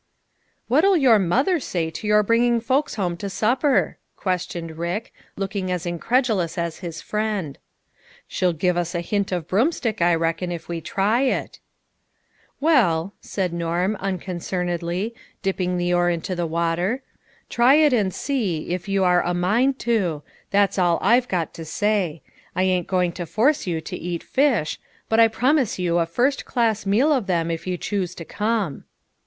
" What'll your mother say to your bringing folks home to supper?" questioned Rick, look ing as incredulous as his friend. " She'll give us a hint of broomstick, I reckon, if we try it." A COMPLETE SUCCESS. 209 " Well," said Norm, unconcernedly, dipping the oar into the water, " try it and see, if you are a mind to, that's all I've got to say. I ain't going to force you to eat fish ; but I promise you a first class meal of them if you choose to come."